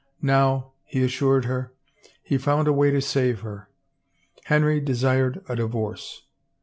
Now, he assured her, he found a way to save her. Henry de sired a divorce.